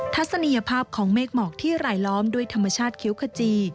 ทัศนียภาพของเมฆหมอกที่หลายล้อมด้วยธรรมชาติคิ้วขจี